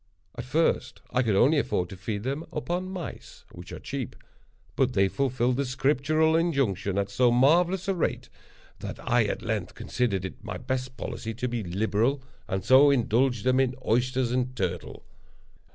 At first I could only afford to feed them upon mice (which are cheap), but they fulfilled the scriptural injunction at so marvellous a rate, that I at length considered it my best policy to be liberal, and so indulged them in oysters and turtle.